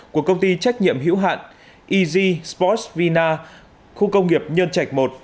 của công ty trách nhiệm hữu hạn ez sports vina khu công nghiệp nhơn trạch i